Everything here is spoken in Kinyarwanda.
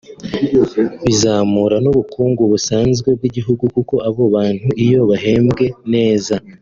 bizamura n’ubukungu busanzwe bw’igihugu kuko abo bantu iyo bahembwe neza